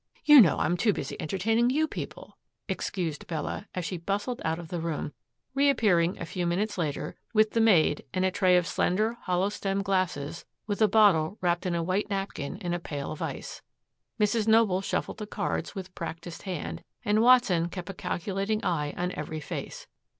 You know, I'm too busy entertaining you people," excused Bella, as she bustled out of the room, reappearing a few minutes later with the maid and a tray of slender hollow stemmed glasses with a bottle wrapped in a white napkin in a pail of ice. Mrs. Noble shuffled the cards with practiced hand and Watson kept a calculating eye on every face.